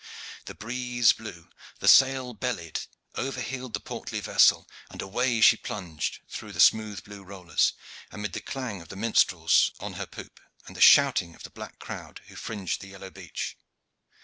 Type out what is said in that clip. The breeze blew, the sail bellied, over heeled the portly vessel, and away she plunged through the smooth blue rollers, amid the clang of the minstrels on her poop and the shouting of the black crowd who fringed the yellow beach.